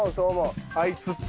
あいつって。